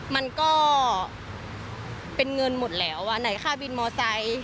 มันก็เป็นเงินหมดแล้วอ่ะไหนค่าบินมอไซค์